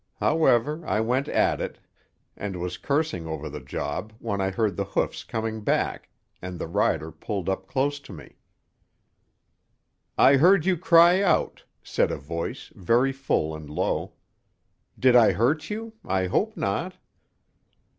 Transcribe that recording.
However, I went at it, and was cursing over the job when I heard the hoofs coming back, and the rider pulled up close to me. "I heard you cry out," said a voice, very full and low. "Did I hurt you? I hope not."